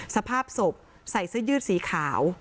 สภาพศพใส่เสื้อยืดสีขาว